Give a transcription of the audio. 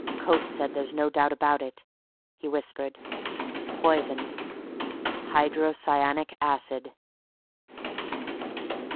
"Coates says there's no doubt about it!" he whispered. "Poisoned! Hydrocyanic acid!"